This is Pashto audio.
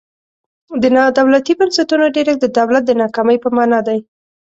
د نا دولتي بنسټونو ډیرښت د دولت د ناکامۍ په مانا دی.